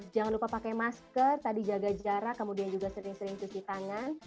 jangan lupa pakai masker tadi jaga jarak kemudian juga sering sering cuci tangan